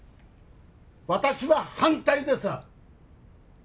私は反対です！